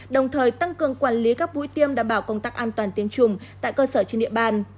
đồng thời tăng cường quản lý các mũi tiêm đảm bảo công tác an toàn tiêm chủng tại cơ sở trên địa bàn